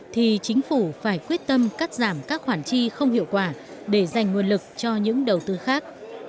thì chính phủ phải quyết tâm cắt giảm các khoản chi không hiệu quả để dành nguồn lực cho những đầu tư khác